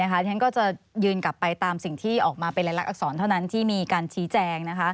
ฉันก็จะยืนกลับไปตามสิ่งที่ออกมาเป็นรายลักษรเท่านั้นที่มีการชี้แจง